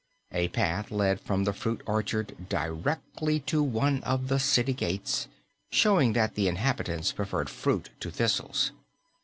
A path led from the fruit orchard directly to one of the city gates, showing that the inhabitants preferred fruit to thistles.